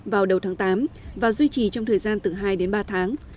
vào đầu tháng tám và duy trì trong thời gian từ hai đến ba tháng